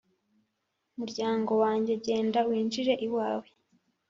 Muryango wanjye, genda winjire iwawe,